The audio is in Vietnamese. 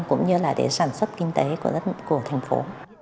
cũng như là cái sản xuất kinh tế của thành phố